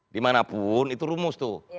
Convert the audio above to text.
dimanapun itu rumus tuh